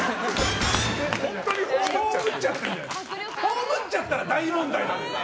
本当に葬っちゃったら大問題なの。